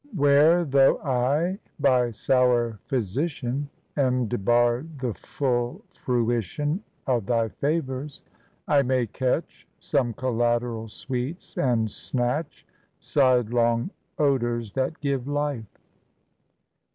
Where, though I, by sour physician Am debarred the full fruition Of thy favours, I may catch Some collateral sweets and snatch Sidelong odours that give life